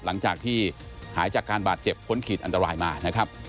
หลังจากที่หายจากการบาดเจ็บพ้นขีดอันตรายมานะครับ